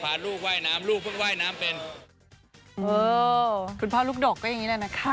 พาลูกว่ายน้ำลูกเพิ่งว่ายน้ำเป็นเออคุณพ่อลูกดกก็อย่างงี้แล้วนะคะ